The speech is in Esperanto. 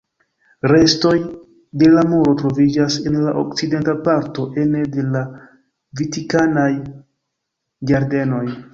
Restoj de la muro troviĝas en la okcidenta parto ene de la vatikanaj ĝardenoj.